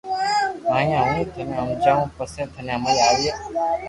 يا ھون ٿني ھمجاوُ پسي ٿني ھمج آوئي